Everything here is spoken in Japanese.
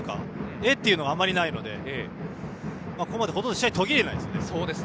えっ？というのがあまりないのでここまで試合が途切れないですね。